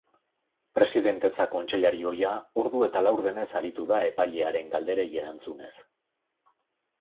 Presidentetza kontseilari ohia ordu eta laurdenez aritu da epailearen galderei erantzunez.